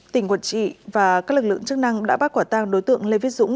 tỉnh quản trị và các lực lượng chức năng đã bắt quả tang đối tượng lê viết dũng